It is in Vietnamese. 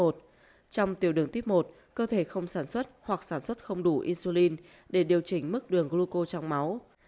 trong tiểu đường tuyếp một cơ thể không sản xuất hoặc sản xuất không đủ insulin để điều chỉnh mức đường gluco trong máu